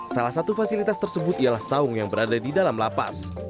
salah satu fasilitas tersebut ialah saung yang berada di dalam lapas